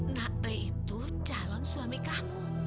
nak ray itu calon suami kamu